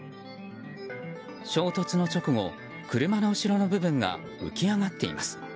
衝突の直後、車の後ろの部分が浮き上がっています。